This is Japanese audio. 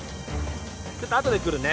ちょっとあとで来るね